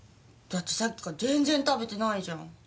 だってさっきから全然食べてないじゃん。